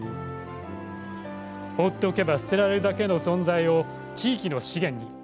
放っておけば捨てられるだけの存在を地域の資源に。